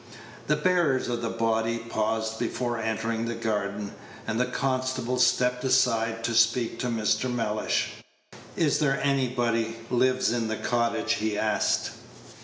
The bearers of the body paused before entering the garden, and the constable stepped aside to speak to Mr. Mellish. "Is there anybody lives in the cottage?" he asked.